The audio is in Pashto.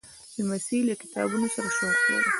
لمسی له کتابونو سره شوق لري.